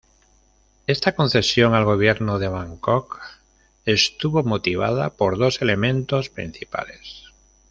Esta concesión al gobierno de Bangkok estuvo motivada por dos elementos principales.